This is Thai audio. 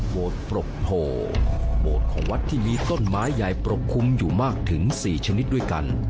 ปรกโพโบสถ์ของวัดที่มีต้นไม้ใหญ่ปรกคุ้มอยู่มากถึง๔ชนิดด้วยกัน